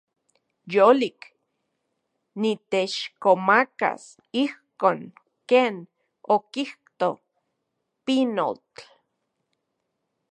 Yolik. Niteixkomakas ijkon ken okijto pinotl.